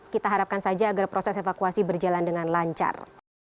kita harapkan saja agar proses evakuasi berjalan dengan lancar